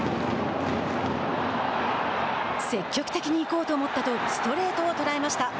「積極的にいこうと思った」とストレートを捉えました。